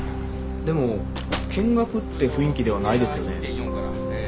でも見学って雰囲気ではないですよね。